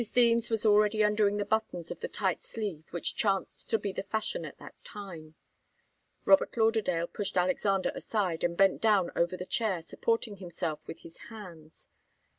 Deems was already undoing the buttons of the tight sleeve which chanced to be the fashion at that time. Robert Lauderdale pushed Alexander aside, and bent down over the chair, supporting himself with his hands.